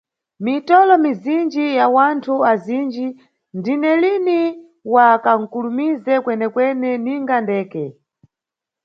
Mitolo mizinji na wanthu azinji, ndine lini wa kankulumize kwene-kwene ninga ndeke.